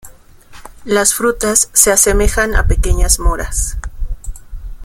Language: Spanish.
Las frutas se asemejan a pequeñas moras.